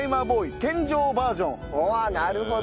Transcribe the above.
おっなるほど。